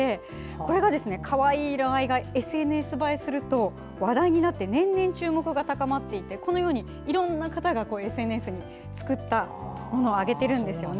このかわいい色合いがＳＮＳ映えすると話題になって年々注目が高まっていていろんな方がＳＮＳに作ったものを上げているんですね。